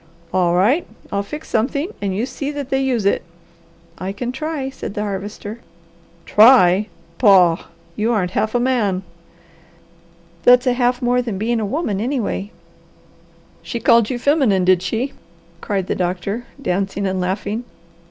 "All right I'll fix something, and you see that they use it." "I can try," said the Harvester. "Try! Pah! You aren't half a man!" "That's a half more than being a woman, anyway." "She called you feminine, did she?" cried the doctor, dancing and laughing.